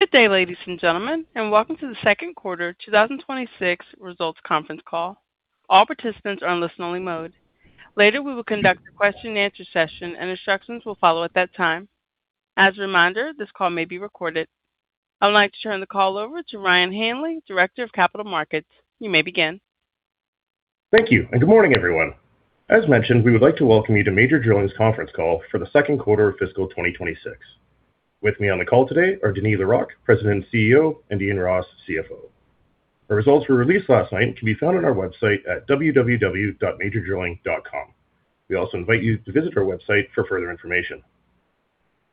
Good day, ladies and gentlemen, and welcome to the second quarter 2026 results conference call. All participants are in listen-only mode. Later, we will conduct a question-and-answer session, and instructions will follow at that time. As a reminder, this call may be recorded. I would like to turn the call over to Ryan Hanley, Director of Capital Markets. You may begin. Thank you, and good morning, everyone. As mentioned, we would like to welcome you to Major Drilling's conference call for the second quarter of fiscal 2026. With me on the call today are Denis Larocque, President and CEO, and Ian Ross, CFO. Our results were released last night and can be found on our website at www.majordrilling.com. We also invite you to visit our website for further information.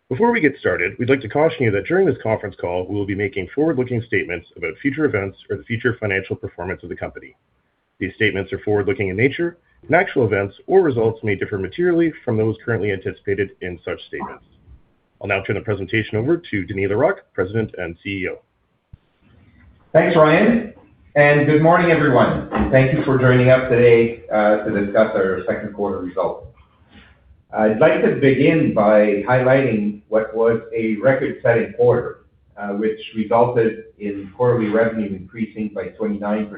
Before we get started, we'd like to caution you that during this conference call, we will be making forward-looking statements about future events or the future financial performance of the company. These statements are forward-looking in nature, and actual events or results may differ materially from those currently anticipated in such statements. I'll now turn the presentation over to Denis Larocque, President and CEO. Thanks, Ryan, and good morning, everyone, and thank you for joining us today to discuss our second quarter results. I'd like to begin by highlighting what was a record-setting quarter, which resulted in quarterly revenue increasing by 29%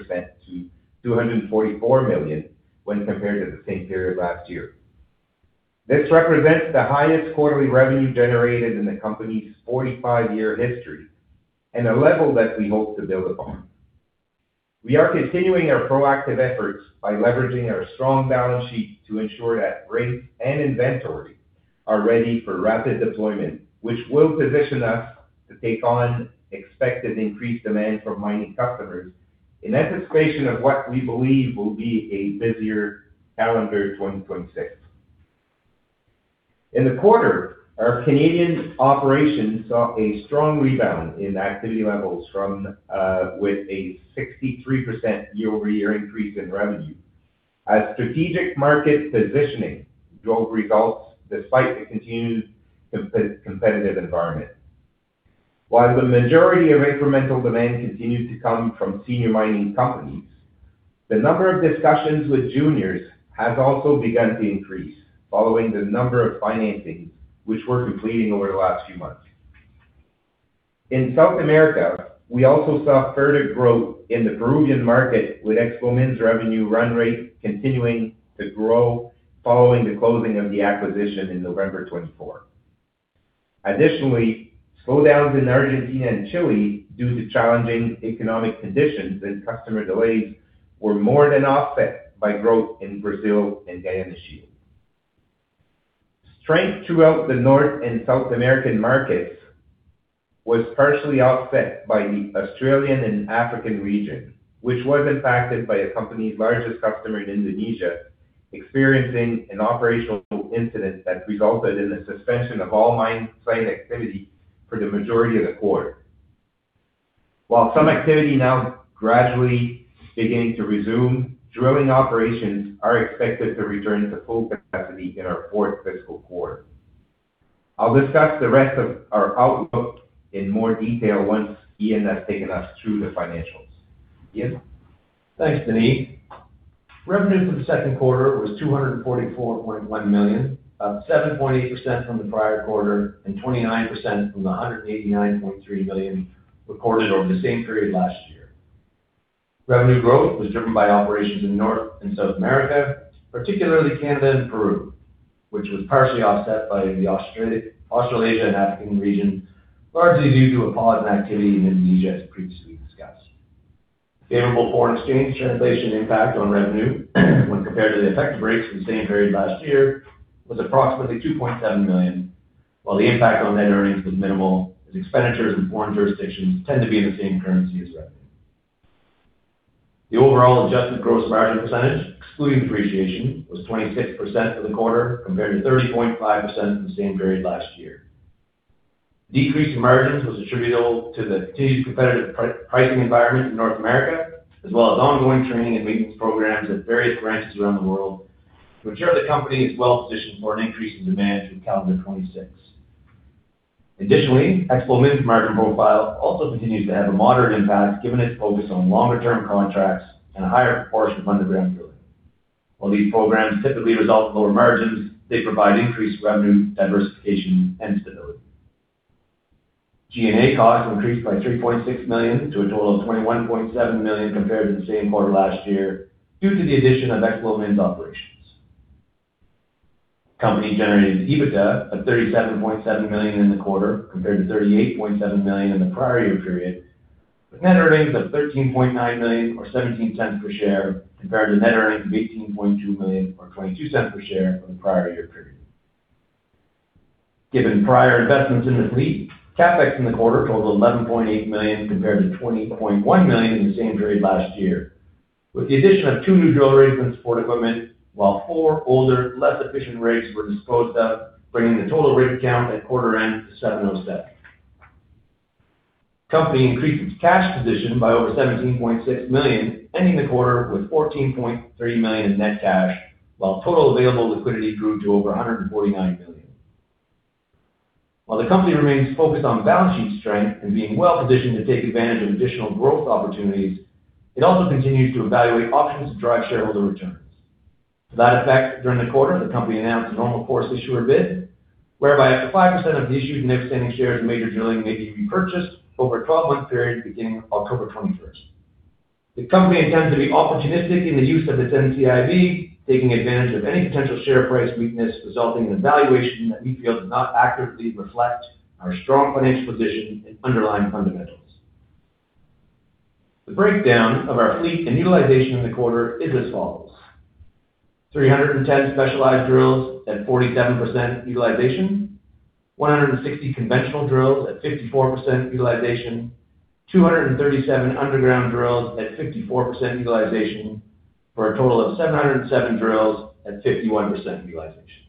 to 244 million when compared to the same period last year. This represents the highest quarterly revenue generated in the company's 45-year history and a level that we hope to build upon. We are continuing our proactive efforts by leveraging our strong balance sheet to ensure that rigs and inventory are ready for rapid deployment, which will position us to take on expected increased demand from mining customers in anticipation of what we believe will be a busier calendar 2026. In the quarter, our Canadian operations saw a strong rebound in activity levels with a 63% year-over-year increase in revenue, as strategic market positioning drove results despite the continued competitive environment. While the majority of incremental demand continued to come from senior mining companies, the number of discussions with juniors has also begun to increase following the number of financings which we're completing over the last few months. In South America, we also saw further growth in the Peruvian market, with Explomin's revenue run rate continuing to grow following the closing of the acquisition in November 2024. Additionally, slowdowns in Argentina and Chile due to challenging economic conditions and customer delays were more than offset by growth in Brazil and Guiana Shield. Strength throughout the North and South American markets was partially offset by the Australian and African region, which was impacted by the company's largest customer in Indonesia, experiencing an operational incident that resulted in the suspension of all mine site activity for the majority of the quarter. While some activity now gradually beginning to resume, drilling operations are expected to return to full capacity in our fourth fiscal quarter. I'll discuss the rest of our outlook in more detail once Ian has taken us through the financials. Ian? Thanks, Denis. Revenue for the second quarter was 244.1 million, up 7.8% from the prior quarter and 29% from the 189.3 million recorded over the same period last year. Revenue growth was driven by operations in North America and South America, particularly Canada and Peru, which was partially offset by the Australasia and Africa region, largely due to a pause in activity in Indonesia, as previously discussed. Favorable foreign exchange translation impact on revenue, when compared to the effective rates for the same period last year, was approximately 2.7 million, while the impact on net earnings was minimal, as expenditures in foreign jurisdictions tend to be in the same currency as revenue. The overall adjusted gross margin percentage, excluding depreciation, was 26% for the quarter, compared to 30.5% for the same period last year. Decrease in margins was attributable to the continued competitive pricing environment in North America, as well as ongoing training and maintenance programs at various branches around the world, which position the company well for an increase in demand through calendar 2026. Additionally, Explomin's margin profile also continues to have a moderate impact, given its focus on longer-term contracts and a higher proportion of underground drilling. While these programs typically result in lower margins, they provide increased revenue diversification and stability. G&A costs increased by 3.6 million to a total of 21.7 million compared to the same quarter last year due to the addition of Explomin's operations. The company generated EBITDA of 37.7 million in the quarter, compared to 38.7 million in the prior year period, with net earnings of 13.9 million or 0.17 per share, compared to net earnings of 18.2 million or 0.22 per share for the prior year period. Given prior investments in the fleet, CapEx in the quarter totaled 11.8 million compared to 20.1 million in the same period last year, with the addition of two new drill rigs and support equipment, while four older, less efficient rigs were disposed of, bringing the total rig count at quarter-end to 707. The company increased its cash position by over 17.6 million, ending the quarter with 14.3 million in net cash, while total available liquidity grew to over 149 million. While the company remains focused on balance sheet strength and being well-positioned to take advantage of additional growth opportunities, it also continues to evaluate options to drive shareholder returns. To that effect, during the quarter, the company announced a Normal Course Issuer Bid, whereby up to 5% of the issued and outstanding shares of Major Drilling may be repurchased over a 12-month period beginning October 21st. The company intends to be opportunistic in the use of its NCIB, taking advantage of any potential share price weakness resulting in a valuation that we feel does not accurately reflect our strong financial position and underlying fundamentals. The breakdown of our fleet and utilization in the quarter is as follows: 310 specialized drills at 47% utilization, 160 conventional drills at 54% utilization, 237 underground drills at 54% utilization, for a total of 707 drills at 51% utilization.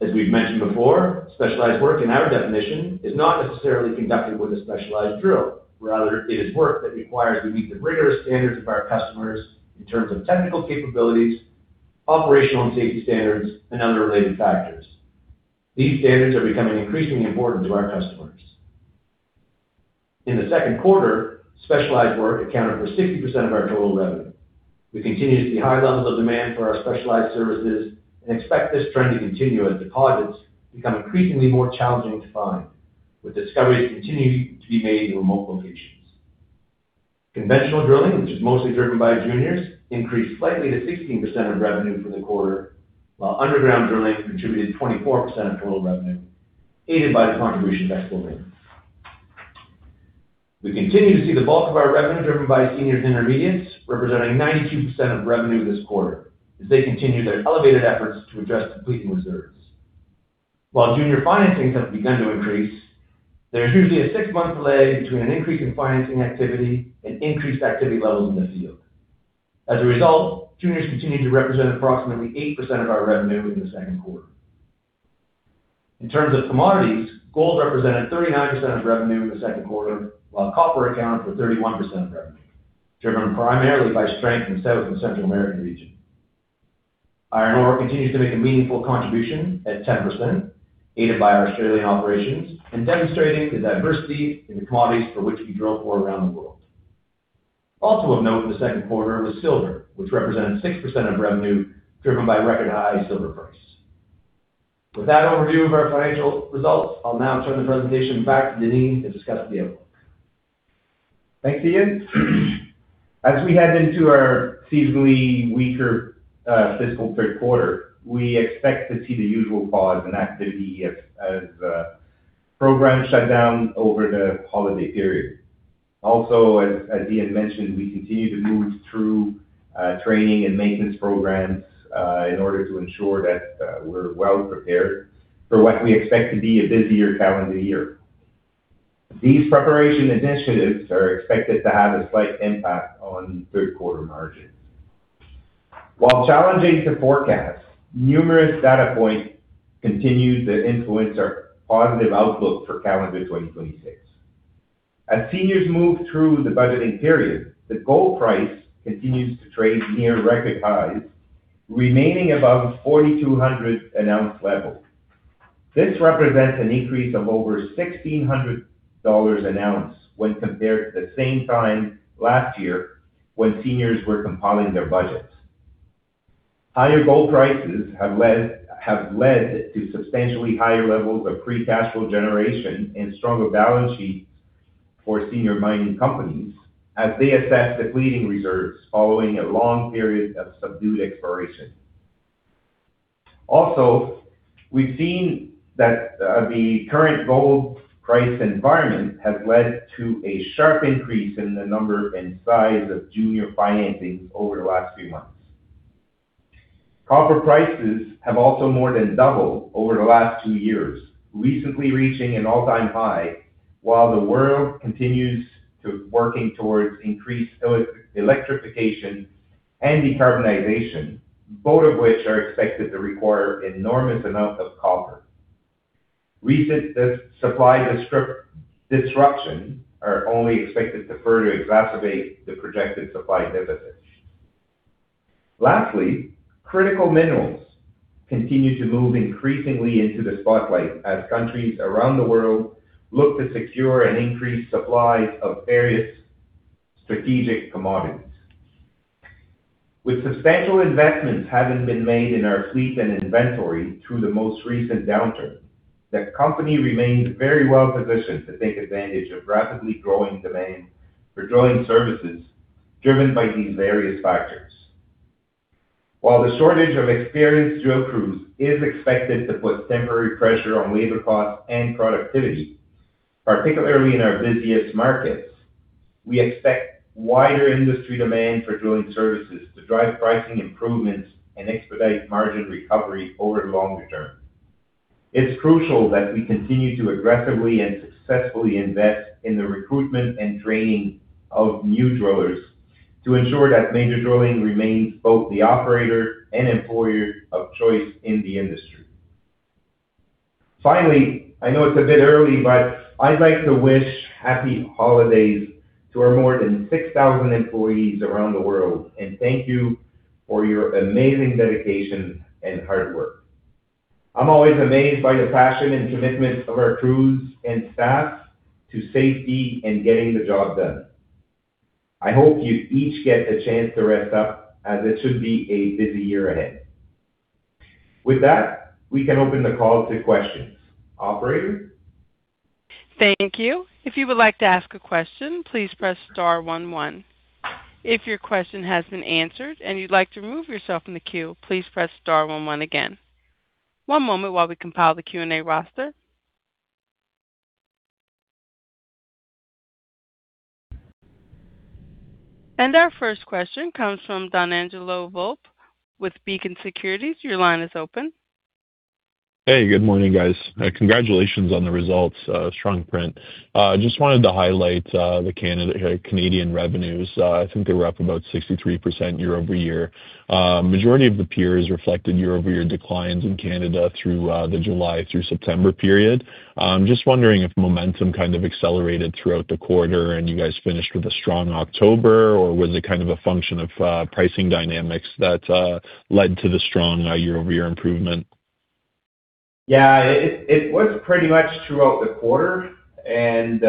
As we've mentioned before, specialized work, in our definition, is not necessarily conducted with a specialized drill. Rather, it is work that requires we meet the rigorous standards of our customers in terms of technical capabilities, operational and safety standards, and other related factors. These standards are becoming increasingly important to our customers. In the second quarter, specialized work accounted for 60% of our total revenue. We continue to see high levels of demand for our specialized services and expect this trend to continue as deposits become increasingly more challenging to find, with discoveries continuing to be made in remote locations. Conventional drilling, which is mostly driven by juniors, increased slightly to 16% of revenue for the quarter, while underground drilling contributed 24% of total revenue, aided by the contribution of Explomin. We continue to see the bulk of our revenue driven by seniors and intermediates, representing 92% of revenue this quarter, as they continue their elevated efforts to address depleting reserves. While junior financings have begun to increase, there is usually a six-month delay between an increase in financing activity and increased activity levels in the field. As a result, juniors continue to represent approximately 8% of our revenue in the second quarter. In terms of commodities, gold represented 39% of revenue in the second quarter, while copper accounted for 31% of revenue, driven primarily by strength in the South and Central American region. Iron ore continues to make a meaningful contribution at 10%, aided by our Australian operations and demonstrating the diversity in the commodities for which we drill for around the world. Also of note in the second quarter was silver, which represented 6% of revenue driven by record-high silver price. With that overview of our financial results, I'll now turn the presentation back to Denis to discuss the outlook. Thanks, Ian. As we head into our seasonally weaker fiscal third quarter, we expect to see the usual pause in activity as programs shut down over the holiday period. Also, as Ian mentioned, we continue to move through training and maintenance programs in order to ensure that we're well-prepared for what we expect to be a busier calendar year. These preparation initiatives are expected to have a slight impact on third-quarter margins. While challenging to forecast, numerous data points continue to influence our positive outlook for calendar 2026. As seniors move through the budgeting period, the gold price continues to trade near record highs, remaining above 4,200 an ounce level. This represents an increase of over 1,600 dollars an ounce when compared to the same time last year when seniors were compiling their budgets. Higher gold prices have led to substantially higher levels of free cash flow generation and stronger balance sheets for senior mining companies as they assess depleting reserves following a long period of subdued exploration. Also, we've seen that the current gold price environment has led to a sharp increase in the number and size of junior financings over the last few months. Copper prices have also more than doubled over the last two years, recently reaching an all-time high, while the world continues to work towards increased electrification and decarbonization, both of which are expected to require enormous amounts of copper. Recent supply disruptions are only expected to further exacerbate the projected supply deficit. Lastly, critical minerals continue to move increasingly into the spotlight as countries around the world look to secure and increase supplies of various strategic commodities. With substantial investments having been made in our fleet and inventory through the most recent downturn, the company remains very well-positioned to take advantage of rapidly growing demand for drilling services driven by these various factors. While the shortage of experienced drill crews is expected to put temporary pressure on labor costs and productivity, particularly in our busiest markets, we expect wider industry demand for drilling services to drive pricing improvements and expedite margin recovery over the longer term. It's crucial that we continue to aggressively and successfully invest in the recruitment and training of new drillers to ensure that Major Drilling remains both the operator and employer of choice in the industry. Finally, I know it's a bit early, but I'd like to wish happy holidays to our more than 6,000 employees around the world and thank you for your amazing dedication and hard work. I'm always amazed by the passion and commitment of our crews and staff to safety and getting the job done. I hope you each get a chance to rest up, as it should be a busy year ahead. With that, we can open the call to questions. Operator? Thank you. If you would like to ask a question, please press star one one. If your question has been answered and you'd like to remove yourself from the queue, please press star one one again. One moment while we compile the Q&A roster. And our first question comes from Donangelo Volpe with Beacon Securities. Your line is open. Hey, good morning, guys. Congratulations on the results, strong print. Just wanted to highlight the Canadian revenues. I think they're up about 63% year-over-year. The majority of the peers reflected year-over-year declines in Canada through the July through September period. I'm just wondering if momentum kind of accelerated throughout the quarter and you guys finished with a strong October, or was it kind of a function of pricing dynamics that led to the strong year-over-year improvement? Yeah, it was pretty much throughout the quarter and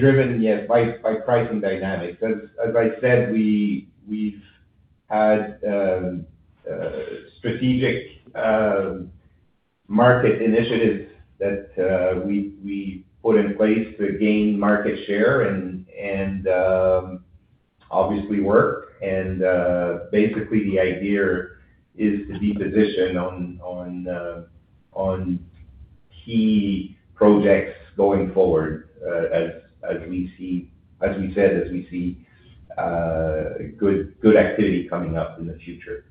driven by pricing dynamics. As I said, we've had strategic market initiatives that we put in place to gain market share and obviously work. And basically, the idea is to be positioned on key projects going forward, as we said, as we see good activity coming up in the future.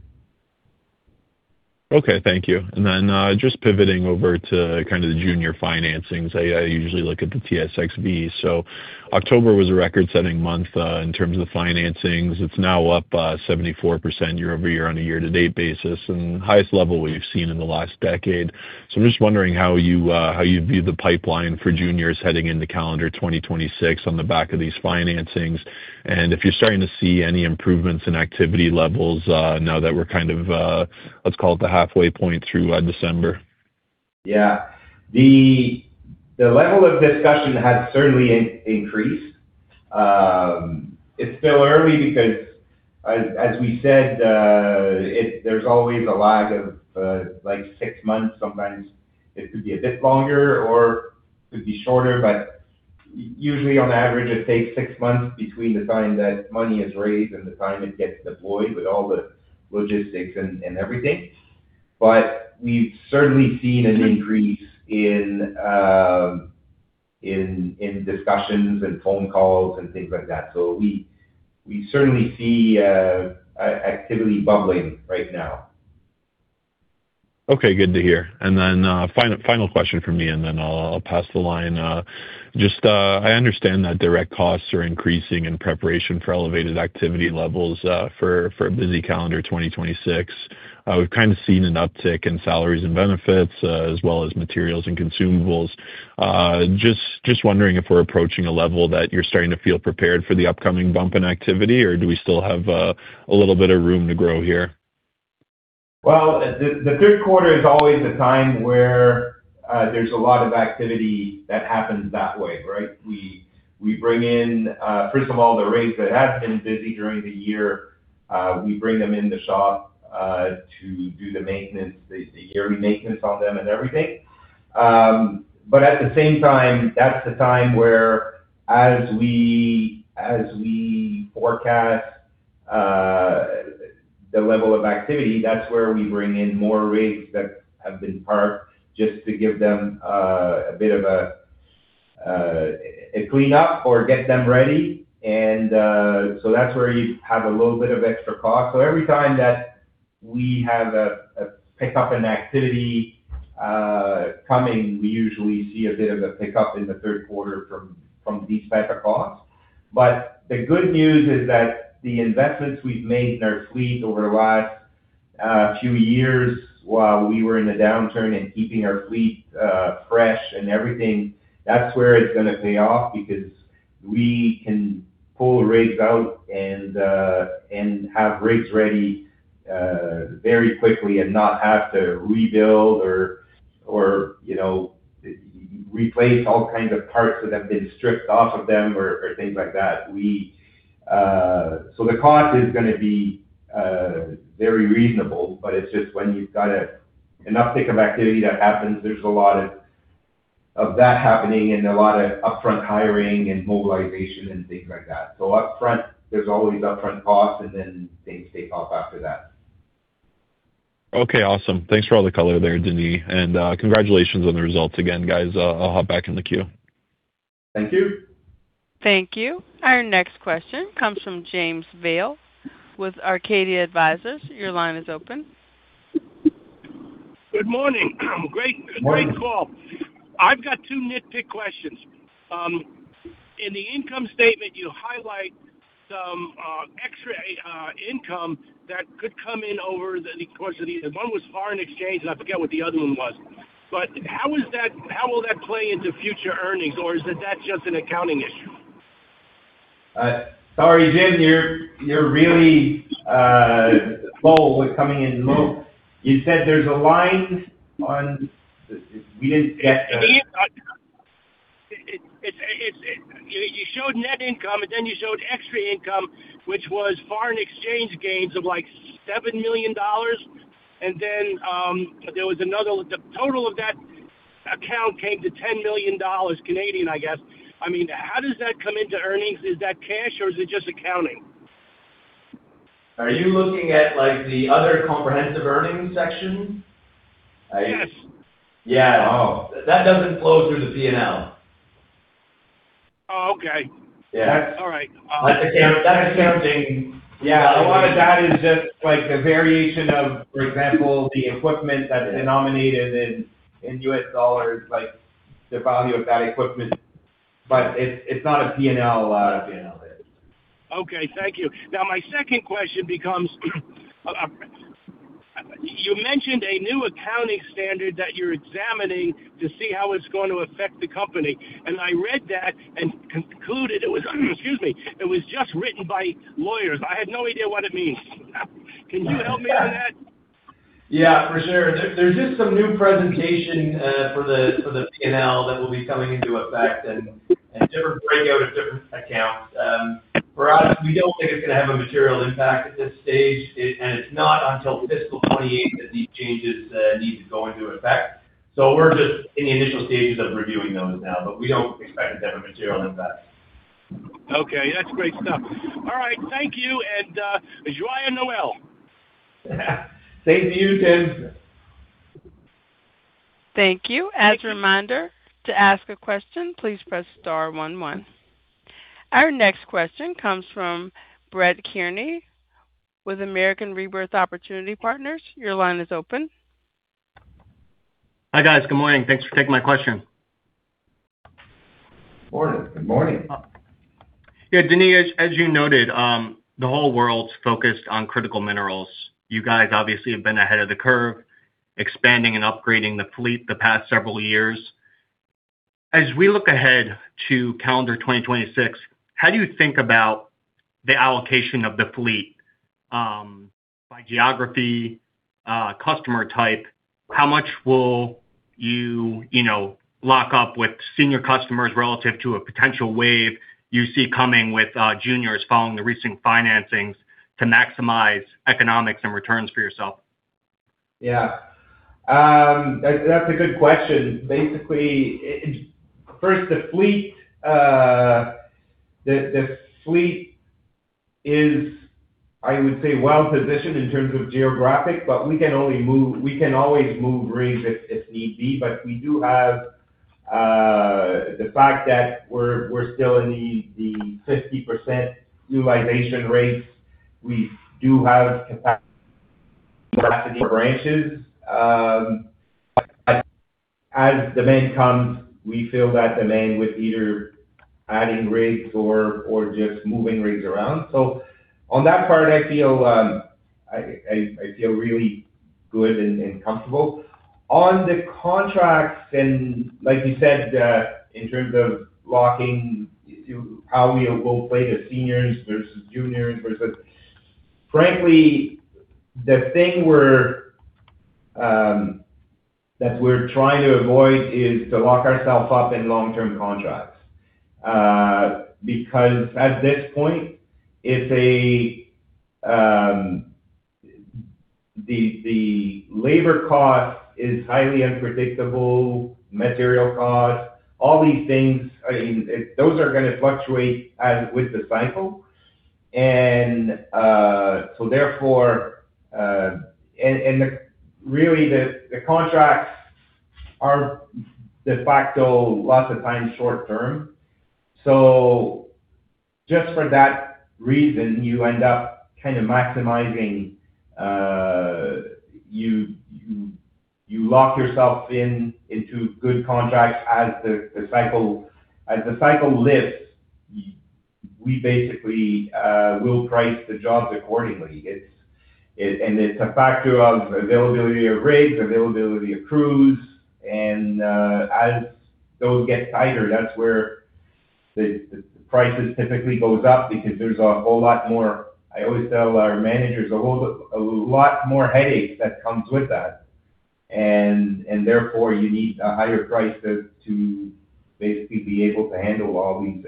Okay, thank you. And then just pivoting over to kind of the junior financings, I usually look at the TSXV. So October was a record-setting month in terms of the financings. It's now up 74% year-over-year on a year-to-date basis, and the highest level we've seen in the last decade. So I'm just wondering how you view the pipeline for juniors heading into calendar 2026 on the back of these financings, and if you're starting to see any improvements in activity levels now that we're kind of, let's call it the halfway point through December. Yeah, the level of discussion has certainly increased. It's still early because, as we said, there's always a lag of like six months. Sometimes it could be a bit longer or could be shorter, but usually, on average, it takes six months between the time that money is raised and the time it gets deployed with all the logistics and everything. But we've certainly seen an increase in discussions and phone calls and things like that. So we certainly see activity bubbling right now. Okay, good to hear. And then final question from me, and then I'll pass the line. Just, I understand that direct costs are increasing in preparation for elevated activity levels for a busy calendar 2026. We've kind of seen an uptick in salaries and benefits as well as materials and consumables. Just wondering if we're approaching a level that you're starting to feel prepared for the upcoming bump in activity, or do we still have a little bit of room to grow here? The third quarter is always a time where there's a lot of activity that happens that way, right? We bring in, first of all, the rigs that have been busy during the year. We bring them in the shop to do the maintenance, the yearly maintenance on them and everything. But at the same time, that's the time where, as we forecast the level of activity, that's where we bring in more rigs that have been parked just to give them a bit of a cleanup or get them ready. And so that's where you have a little bit of extra cost. So every time that we have a pickup in activity coming, we usually see a bit of a pickup in the third quarter from these types of costs. But the good news is that the investments we've made in our fleet over the last few years, while we were in a downturn and keeping our fleet fresh and everything, that's where it's going to pay off because we can pull rigs out and have rigs ready very quickly and not have to rebuild or replace all kinds of parts that have been stripped off of them or things like that. So the cost is going to be very reasonable, but it's just when you've got an uptick of activity that happens, there's a lot of that happening and a lot of upfront hiring and mobilization and things like that. So upfront, there's always upfront costs, and then things take off after that. Okay, awesome. Thanks for all the color there, Denis. And congratulations on the results again, guys. I'll hop back in the queue. Thank you. Thank you. Our next question comes from James Vail with Arcadia Advisors. Your line is open. Good morning. Great call. I've got two nitpick questions. In the income statement, you highlight some extra income that could come in over the course of the year. One was foreign exchange, and I forget what the other one was. But how will that play into future earnings, or is that just an accounting issue? Sorry, James, you're really bold with coming in low. You said there's a line on we didn't get. You showed net income, and then you showed extra income, which was foreign exchange gains of like 7 million dollars. And then there was another total of that account came to 10 million Canadian dollars, Canadian, I guess. I mean, how does that come into earnings? Is that cash, or is it just accounting? Are you looking at the other comprehensive earnings section? Yes. Yeah. That doesn't flow through the P&L. Oh, okay. Yeah. That's accounting. Yeah, a lot of that is just the variation of, for example, the equipment that's denominated in U.S. dollars, like the value of that equipment. But it's not a P&L there. Okay, thank you. Now, my second question becomes, you mentioned a new accounting standard that you're examining to see how it's going to affect the company. And I read that and concluded it was, excuse me, it was just written by lawyers. I had no idea what it means. Can you help me with that? Yeah, for sure. There's just some new presentation for the P&L that will be coming into effect and different breakout of different accounts. For us, we don't think it's going to have a material impact at this stage, and it's not until fiscal 2028 that these changes need to go into effect. So we're just in the initial stages of reviewing those now, but we don't expect it to have a material impact. Okay, that's great stuff. All right, thank you. And enjoy Noel. Same to you, James. Thank you. As a reminder, to ask a question, please press star one one. Our next question comes from Brett Kearney with American Rebirth Opportunity Partners. Your line is open. Hi guys, good morning. Thanks for taking my question. Good morning. Yeah, Denis, as you noted, the whole world's focused on critical minerals. You guys obviously have been ahead of the curve, expanding and upgrading the fleet the past several years. As we look ahead to calendar 2026, how do you think about the allocation of the fleet by geography, customer type? How much will you lock up with senior customers relative to a potential wave you see coming with juniors following the recent financings to maximize economics and returns for yourself? Yeah, that's a good question. Basically, first, the fleet is, I would say, well-positioned in terms of geographic, but we can always move rigs if need be. But we do have the fact that we're still in the 50% utilization rates. We do have capacity for branches. But as demand comes, we fill that demand with either adding rigs or just moving rigs around. So on that part, I feel really good and comfortable. On the contracts, and like you said, in terms of locking how we will play the seniors versus juniors versus, frankly, the thing that we're trying to avoid is to lock ourselves up in long-term contracts because at this point, the labor cost is highly unpredictable, material cost, all these things. I mean, those are going to fluctuate with the cycle. And so therefore, and really, the contracts are de facto lots of times short-term. So just for that reason, you end up kind of maximizing. You lock yourself into good contracts as the cycle lifts. We basically will price the jobs accordingly. And it's a factor of availability of rigs, availability of crews. And as those get tighter, that's where the price typically goes up because there's a whole lot more, I always tell our managers, a lot more headaches that come with that. And therefore, you need a higher price to basically be able to handle all these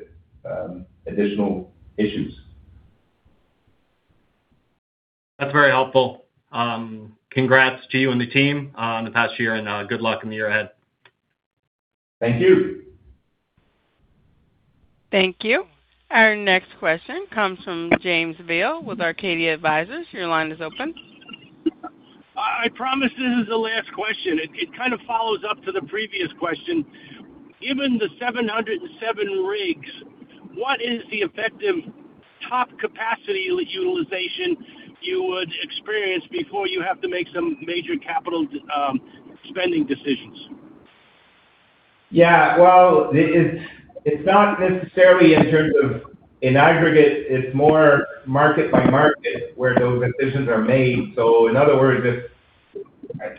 additional issues. That's very helpful. Congrats to you and the team on the past year, and good luck in the year ahead. Thank you. Thank you. Our next question comes from James Vail with Arcadia Advisors. Your line is open. I promise this is the last question. It kind of follows up to the previous question. Given the 707 rigs, what is the effective top capacity utilization you would experience before you have to make some major capital spending decisions? Yeah, well, it's not necessarily in terms of an aggregate. It's more market by market where those decisions are made. So in other words,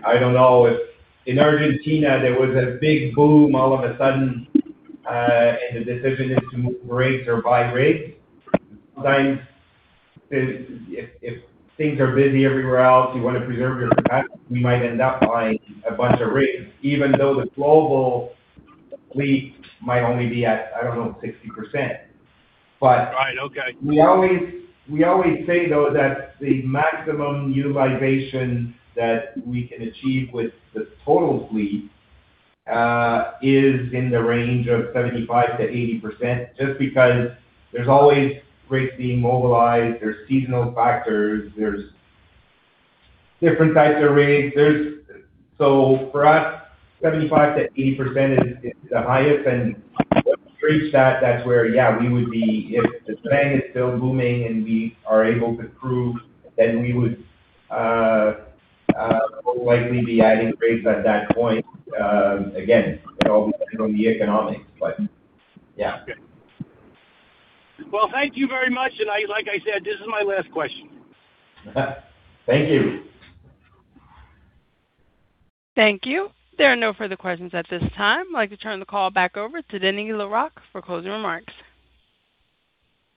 I don't know if in Argentina, there was a big boom all of a sudden, and the decision is to move rigs or buy rigs. Sometimes, if things are busy everywhere else, you want to preserve your capacity. You might end up buying a bunch of rigs, even though the global fleet might only be at, I don't know, 60%. But we always say, though, that the maximum utilization that we can achieve with the total fleet is in the range of 75%-80% just because there's always rigs being mobilized. There's seasonal factors. There's different types of rigs. So for us, 75%-80% is the highest. To reach that, that's where, yeah, we would be, if the demand is still booming and we are able to prove, then we would most likely be adding rigs at that point. Again, it all depends on the economics, but yeah. Thank you very much. Like I said, this is my last question. Thank you. Thank you. There are no further questions at this time. I'd like to turn the call back over to Denis Larocque for closing remarks.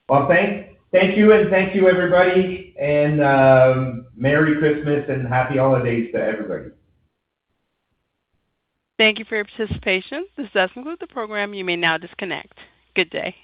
Thank you, and thank you, everybody. Merry Christmas and happy holidays to everybody. Thank you for your participation. This has concluded the program. You may now disconnect. Good day.